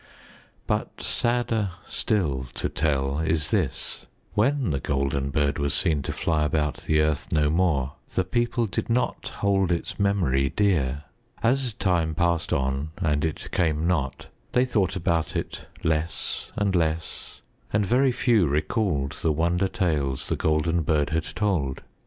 But sadder still to tell is this: When The Golden Bird was seen to fly about the earth no more, the people did not hold its memory dear. As time passed on and it came not, they thought about it less and less and very few recalled the wonder tales The Golden Bird had told.